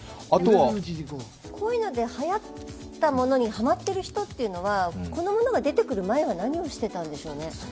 こういうのではやったものにハマった人というのはこのものが出てくる前は何をしてたんでしょうね？